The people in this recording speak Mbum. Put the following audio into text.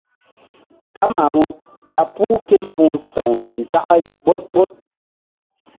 Kamaru ɓa puh ke mbu̧h sa̧w nzakri ɓoɗ ɓoɗ.